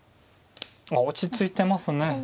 あ落ち着いてますね。